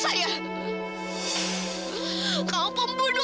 tapi yang beruntung buat kita dentro